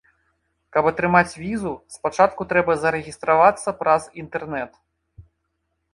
Каб атрымаць візу, спачатку трэба зарэгістравацца праз інтэрнэт.